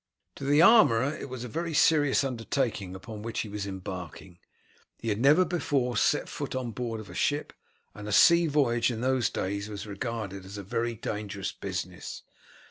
To the armourer it was a very serious undertaking upon which he was embarking. He had never before set foot on board of a ship, and a sea voyage in those days was regarded as a very dangerous business.